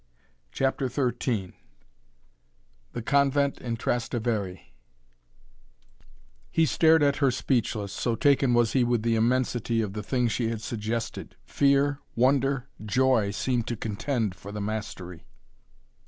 CHAPTER XIII THE CONVENT IN TRASTEVERE He stared at her speechless, so taken was he with the immensity of the thing she had suggested. Fear, wonder, joy seemed to contend for the mastery.